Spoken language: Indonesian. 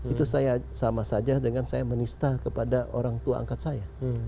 itu saya sama saja dengan saya menista kepada orang tua angkat saya